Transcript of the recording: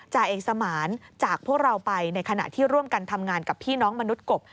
จ่าเอกสมานจากพวกเราไปในขณะที่ร่วมกันทำงานกับพี่น้องมนุษย์กบ